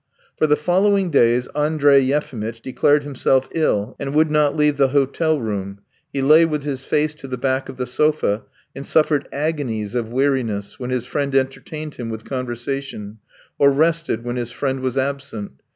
For the following days Andrey Yefimitch declared himself ill and would not leave the hotel room; he lay with his face to the back of the sofa, and suffered agonies of weariness when his friend entertained him with conversation, or rested when his friend was absent.